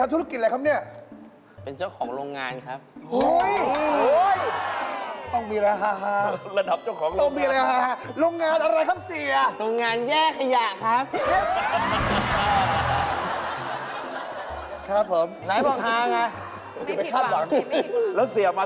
อันนี้หาเรื่องตายดีทั้งเรื่องก็เสียเค้า